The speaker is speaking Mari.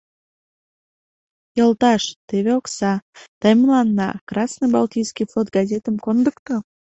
— Йолташ, теве окса, тый мыланна «Красный Балтийский Флот» газетым кондыкто.